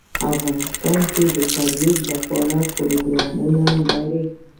افغانستان د کلي د ترویج لپاره پروګرامونه لري.